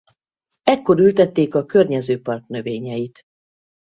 Ekkor ültették a környező park növényeit.